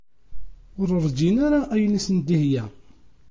Ur ṛǧin ara ayen i sen-ihegga.